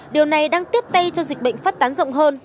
điều này đang tiếp tay cho dịch bệnh phát tán rộng hơn